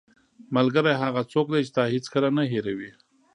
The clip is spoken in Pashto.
ملګری هغه څوک دی چې تا هیڅکله نه هېروي.